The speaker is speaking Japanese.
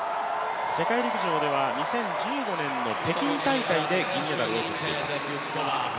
世界陸上では２０１５年の北京大会で銀メダルを取っています。